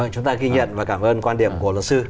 chúng ta ghi nhận và cảm ơn quan điểm của luật sư